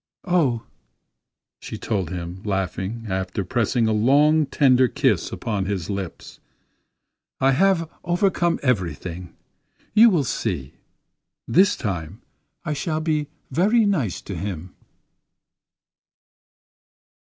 "Oh," she told him, laughingly, after pressing a long, tender kiss upon his lips, "I have overcome everything! you will see. This time I shall be very nice to him."